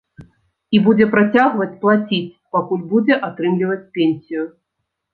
І будзе працягваць плаціць, пакуль будзе атрымліваць пенсію.